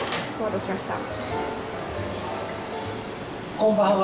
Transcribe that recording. こんばんは。